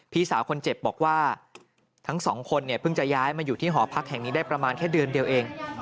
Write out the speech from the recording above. พี่สาวคนเจ็บบอกว่าทั้งสองคนเนี่ยเพิ่งจะย้ายมาอยู่ที่หอพักแห่งนี้ได้ประมาณแค่เดือนเดียวเอง